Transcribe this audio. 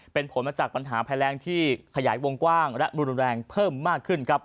เป็นผลมาจากปัญหาภัยแรงที่ขยายวงกว้างและรุนแรงเพิ่มมากขึ้นครับ